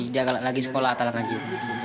dia lagi sekolah atau lagi berani lagi kan